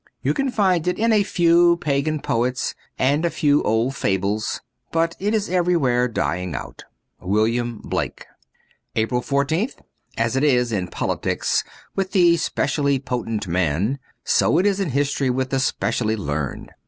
You can find it in a few pagan poets and a few old fables ; but it is everywhere dying out. * William Blake.* ti3 APRIL 14th AS it is in politics with the specially potent man, so it is in history with the specially learned.